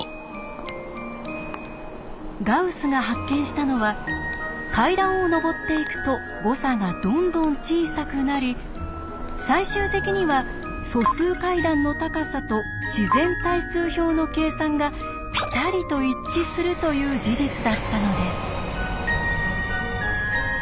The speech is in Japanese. ガウスが発見したのは階段を上っていくと誤差がどんどん小さくなり最終的には「素数階段の高さ」と「自然対数表の計算」がピタリと一致するという事実だったのです。